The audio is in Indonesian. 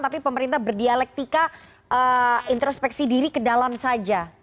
tapi pemerintah berdialektika introspeksi diri ke dalam saja